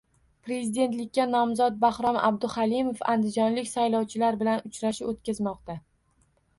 Prezidentlikka nomzod Bahrom Abduhalimov andijonlik saylovchilar bilan uchrashuv o‘tkazmoqda